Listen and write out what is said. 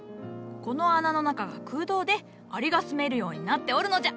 この穴の中が空洞でアリが住めるようになっておるのじゃ！